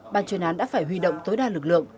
bàn chuyển án đã phải huy động tối đa lực lượng